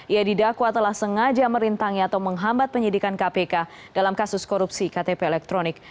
ia didakwa telah sengaja merintangi atau menghambat penyidikan kpk dalam kasus korupsi ktp elektronik